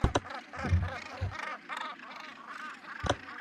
Suele ser flexible y acabado en punta muy afilada.